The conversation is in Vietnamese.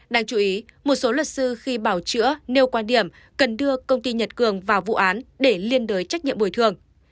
đáng chú ý một số luật sư khi bảo chữa nêu quan điểm cần đưa công ty nhật cường vào vụ án để liên đối trách nhiệm bồi thường